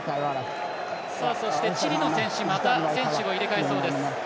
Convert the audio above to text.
そして、チリの選手また選手を入れ替えそうです。